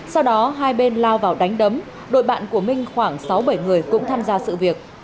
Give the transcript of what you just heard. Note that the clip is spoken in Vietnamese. sau đó hai bên lao vào đánh đấm đội bạn của minh khoảng sáu bảy người cũng tham gia sự việc